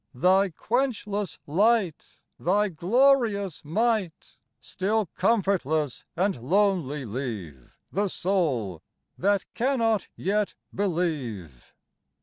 Thy quenchless light, Thy glorious might, Still comfortless and lonely leave The soul that cannot yet believe.